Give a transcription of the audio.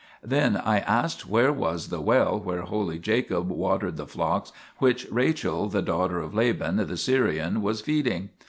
Then I asked where was the well where holy Jacob watered the flocks which Rachel, the daughter of Laban the Syrian, was feeding.